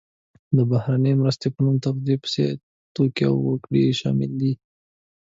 د بهرنۍ مرستې په نوم نغدې پیسې، توکي او وګړي شامل دي.